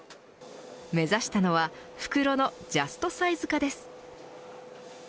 目指したのは袋のジャストサイズ化です。